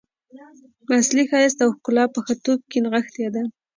اصلي ښایست او ښکلا په ښه توب کې نغښتې ده.